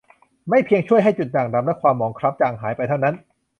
ไม่เพียงช่วยให้จุดด่างดำและความหมองคล้ำจางหายไปเท่านั้น